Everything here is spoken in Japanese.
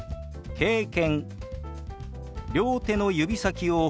「経験」。